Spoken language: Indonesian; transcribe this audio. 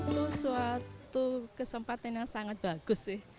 itu suatu kesempatan yang sangat bagus sih